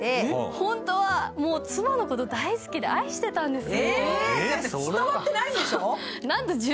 本当は妻のことを大好きで愛してたんですよ。